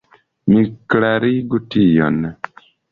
Mi klarigu tion.